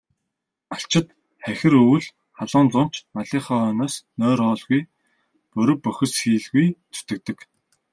Малчид хахир өвөл, халуун зун ч малынхаа хойноос нойр, хоолгүй борви бохисхийлгүй зүтгэдэг.